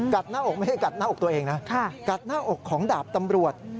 ไม่ได้กัดหน้าอกตัวเองนะกัดหน้าอกของดาบตำรวจ